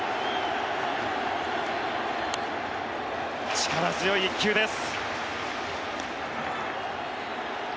力強い１球です。